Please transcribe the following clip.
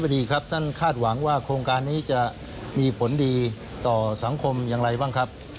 ดีครับท่านคาดหวังว่าโครงการนี้จะมีผลดีต่อสังคมอย่างไรบ้างครับ